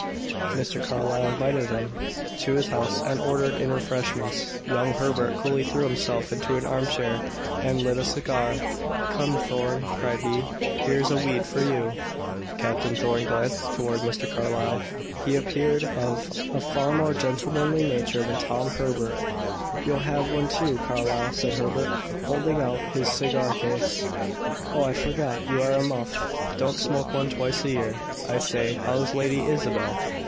Mr. Carlyle invited them to his house and ordered in refreshments. Young Herbert coolly threw himself into an arm chair and lit a cigar. "Come, Thorn," cried he, "here's a weed for you." Captain Thorn glanced toward Mr. Carlyle; he appeared of a far more gentlemanly nature than Tom Herbert. "You'll have one too, Carlyle," said Herbert, holding out his cigar case. "Oh, I forgot you are a muff; don't smoke one twice a year. I say how's Lady Isabel?"